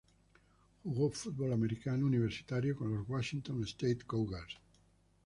Jugó fútbol americano universitario con los Washington State Cougars.